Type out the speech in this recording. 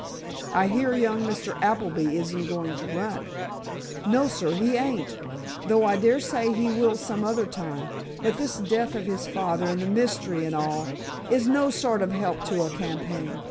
"I hear young Mr. Appleby isn't going to run." "No, sir, he ain't. Though I daresay he will some other time. But this death of his father and the mystery and all, is no sort of help to a campaign.